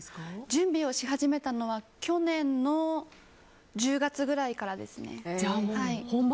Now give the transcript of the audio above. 準備をし始めたのは去年の１０月くらいからですね。